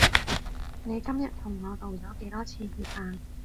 你今日同我道咗幾多次歉啊？